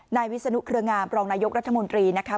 วิศนุเครืองามรองนายกรัฐมนตรีนะคะ